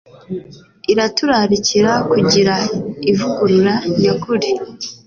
iraturarikira kugira ivugurura nyakuri